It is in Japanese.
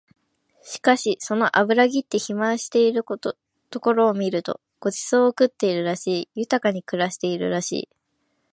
しかしその脂ぎって肥満しているところを見ると御馳走を食ってるらしい、豊かに暮らしているらしい